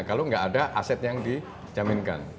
kalau nggak ada aset yang dijaminkan